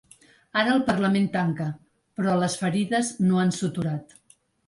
Ara el parlament tanca, però les ferides no han suturat.